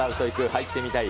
入ってみたい！